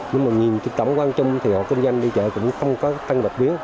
nhưng mà nhìn cái tổng quan chung thì họ kinh doanh đi chợ cũng không có tăng bạch biến